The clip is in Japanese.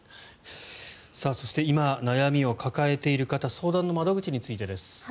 そして今、悩みを抱えている方相談の窓口についてです。